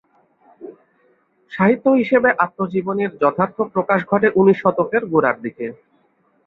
সাহিত্য হিসেবে আত্মজীবনীর যথার্থ প্রকাশ ঘটে উনিশ শতকের গোড়ার দিকে।